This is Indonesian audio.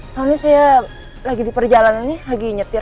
soalnya saya lagi di perjalanan ini lagi nyetir